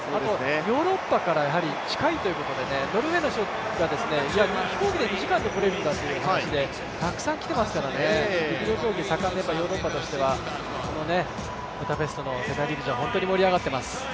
ヨーロッパから近いということで、ノルウェーの人が飛行機で２時間で来られるんだということでたくさん来ていますからね、陸上競技が盛んなヨーロッパとしてはブダペストの世界陸上本当に盛り上がっています。